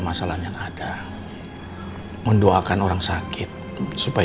ya setelah ini nanti kita mendoakan bersama ya pak